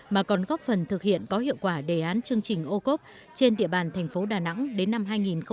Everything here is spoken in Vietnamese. mà còn góp phần thực hiện có hiệu quả đề án chương trình ô cốp trên địa bàn thành phố đà nẵng đến năm hai nghìn ba mươi